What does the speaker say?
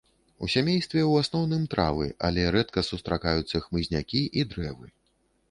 У сямействе ў асноўным травы, але рэдка сустракаюцца хмызнякі і дрэвы.